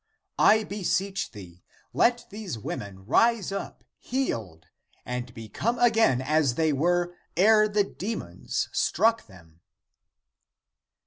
I beseecli thee, let these women rise up healed, and become again as they were ere the demons struck them.''